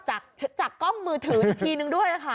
จากกล้องมือถืออีกทีนึงด้วยค่ะ